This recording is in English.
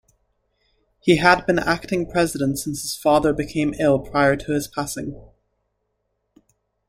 He had been acting president since his father became ill prior to his passing.